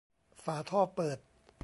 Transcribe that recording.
ฝาท่อเปิด